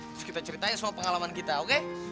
terus kita ceritain sama pengalaman kita oke